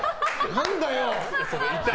何だよ！